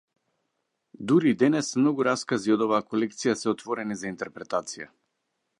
Дури и денес, многу раскази од оваа колекција се отворени за интерпретација.